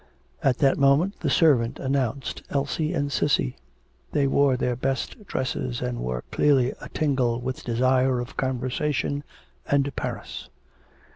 At that moment the servant announced Elsie and Cissy. They wore their best dresses and were clearly atingle with desire of conversation and Paris.